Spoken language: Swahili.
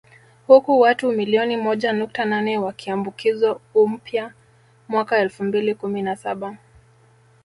Huku watu milioni moja nukta nane wakiambukizwa umpya mwaka elfu mbili kumi na saba